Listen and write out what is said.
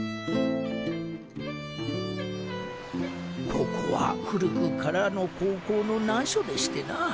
ここは古くからの航行の難所でしてな。